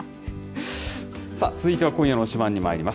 さあ、続いては今夜の推しバン！にまいります。